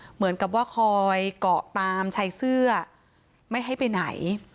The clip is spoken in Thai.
เหมือนกับว่าคอยเกาะตามชายเสื้อไม่ให้ไปไหน